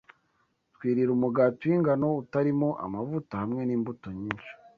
twirira umugati w’ingano utarimo amavuta, hamwe n’imbuto nyinshi